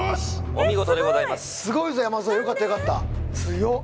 お見事でございますすごいぞ山添よかったよかった強っ！